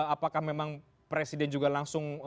apakah memang presiden juga langsung